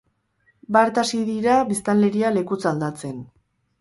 Bart hasi dira biztanleria lekuz aldatzen.